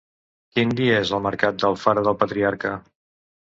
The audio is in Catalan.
Quin dia és el mercat d'Alfara del Patriarca?